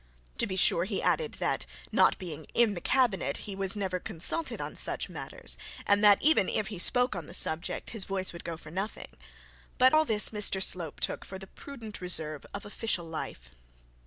To be sure he added that, not being in the cabinet, he was never consulted on such matters, and that even if he spoke on the subject his voice would go for nothing. But all this Mr Slope took for the prudent reserve of official life.